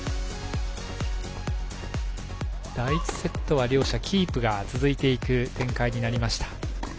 第１セットは両者キープが続いていく展開になりました。